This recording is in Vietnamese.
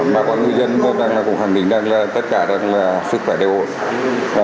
mà quán ngư dân cũng khẳng định tất cả sức khỏe đều ổn